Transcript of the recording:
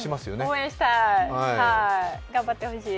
応援したい、頑張ってほしい。